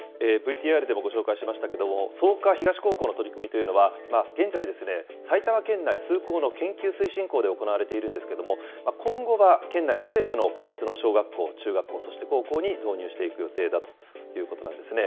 ＶＴＲでもご紹介しましたけれども、草加東高校の取り組みというのは、現在、埼玉県内数校の研究推進校で行われているんですけれども、今後は県内すべての公立の小学校、中学校、そして高校に導入していく予定だということなんですね。